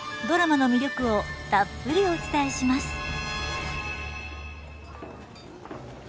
ドラマの魅力をたっぷりお伝えします。